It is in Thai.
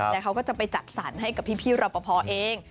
แล้วเขาก็จะไปจัดสรรให้กับพี่รอปภเอง